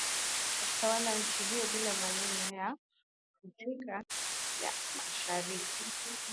akitawala nchi hiyo bila maeneo ya Afrika ya Mashariki